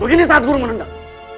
begini saat guru menendang